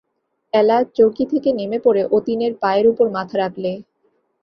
এলা চৌকি থেকে নেমে পড়ে অতীনের পায়ের উপর মাথা রাখলে।